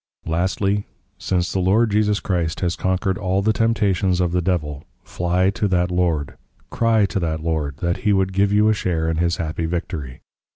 Lastly, Since the Lord Jesus Christ has conquered all the Temptations of the Devil, Flie to that Lord, Crie to that Lord, that He would give you a share in his Happy Victory.